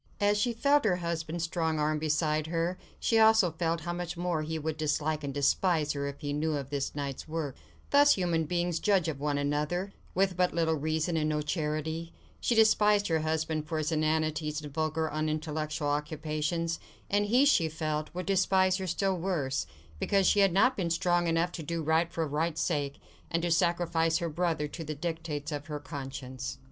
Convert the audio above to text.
And as she felt her husband's strong arm beside her, she also felt how much more he would dislike and despise her, if he knew of this night's work. Thus human beings judge of one another, superficially, casually, throwing contempt on one another, with but little reason, and no charity. She despised her husband for his inanities and vulgar, unintellectual occupations; and he, she felt, would despise her still worse, because she had not been strong enough to do right for right's sake, and to sacrifice her brother to the dictates of her conscience.